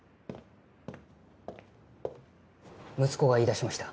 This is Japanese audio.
息子が言いだしました。